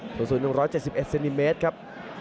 สูง๑๗๑เซนติเมตรครับ